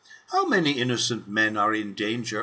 How many innocent men are in danger